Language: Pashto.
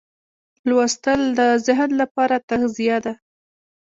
لوستل د ذهن لپاره تغذیه ده.